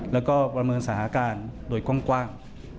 แล้วก็ประเมินสถานการณ์โดยกว้าง